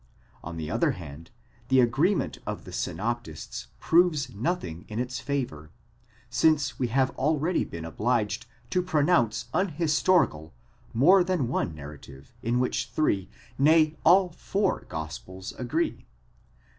On the other hand, the agreement of the synoptists proves nothing in its favour, since we have already been obliged to pronounce unhistorical more than one narrative in which three, nay, all four gospels agree.